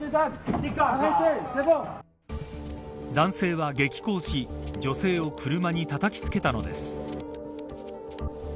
男性は激高し女性を車にたたきつけたのです。